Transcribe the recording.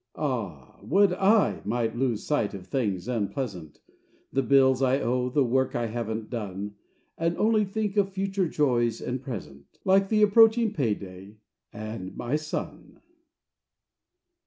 Ah, would I might lose sight of things unpleasant: The bills I owe; the work I haven't done. And only think of future joys and present, Like the approaching payday, and my son.